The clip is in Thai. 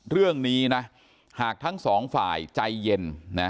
เรื่องนี้นะหากทั้งสองฝ่ายใจเย็นนะ